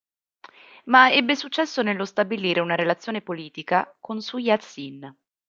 Ma ebbe successo nello stabilire una relazione politica con Sun Yat-Sen.